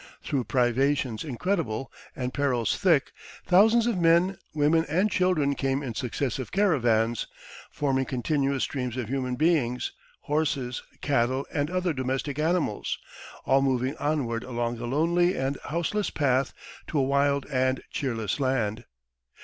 Through privations incredible and perils thick, thousands of men, women, and children came in successive caravans, forming continuous streams of human beings, horses, cattle, and other domestic animals, all moving onward along a lonely and houseless path to a wild and cheerless land.